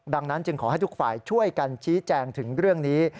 ดังนั้นจึงขอให้ทุกฝ่ายช่วยกันชี้แจงถึงเรื่องนี้